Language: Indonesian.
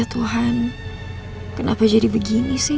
tuhan kenapa jadi begini sih